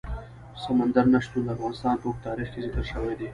سمندر نه شتون د افغانستان په اوږده تاریخ کې ذکر شوی دی.